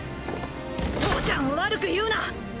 父ちゃんを悪く言うな！